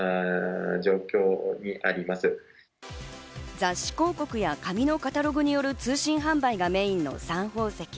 雑誌広告や紙のカタログによる通信販売がメインのサン宝石。